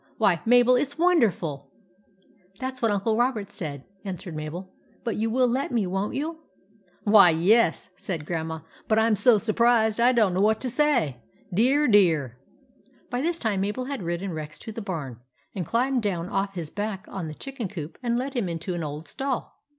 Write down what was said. Why, Mabel, it 's wonderful !" "That's what Uncle Robert said," an swered Mabel. " But you will let me, won't you ?"" Why, yes," said Grandma. " But I 'm so surprised, I don't know what to say. Dear, dear !" But by this time Mabel had ridden Rex to the barn, and climbed down off his back on the chicken coop, and had led him into an old stall.